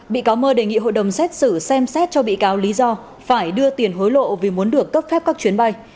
bị cáo mơ đề nghị hội đồng xét xử xem xét cho bị cáo lý do phải đưa tiền hối lộ vì muốn được cấp phép các chuyến bay